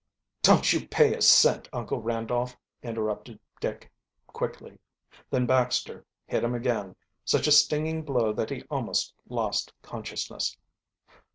"Don't you pay a cent, Uncle Randolph," interrupted Dick quickly. Then Baxter hit him again, such a stinging blow that he almost lost consciousness.